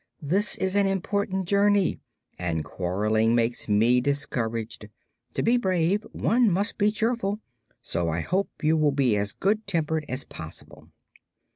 "This is an important journey, and quarreling makes me discouraged. To be brave, one must be cheerful, so I hope you will be as good tempered as possible."